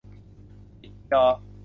ปิดจอ